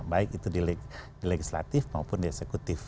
baik itu di legislatif maupun di eksekutif